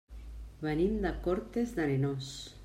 Venim de Cortes d'Arenós.